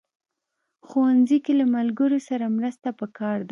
ښوونځی کې له ملګرو سره مرسته پکار ده